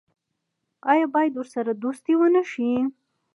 آیا باید ورسره دوستي ونشي؟